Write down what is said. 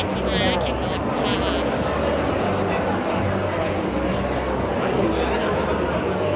ขอบคุณภาษาให้ด้วยเนี่ย